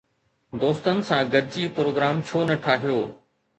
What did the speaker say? دوستن سان گڏجي پروگرام ڇو نه ٺاهيو؟